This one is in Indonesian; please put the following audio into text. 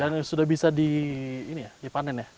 dan sudah bisa dipanen ya